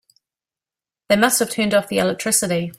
They must have turned off the electricity.